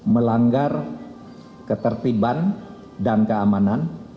melanggar ketertiban dan keamanan